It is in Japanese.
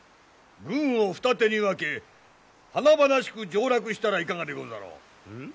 軍を二手に分け華々しく上洛したらいかがでござろう？ん？